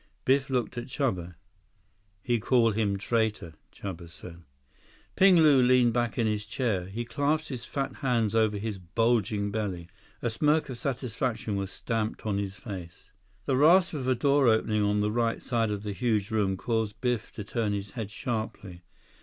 Biff looked at Chuba. "He call him traitor," Chuba said. Ping Lu leaned back in his chair. He clasped his fat hands over his bulging belly. A smirk of satisfaction was stamped on his face. The rasp of a door opening on the right side of the huge room caused Biff to turn his head sharply.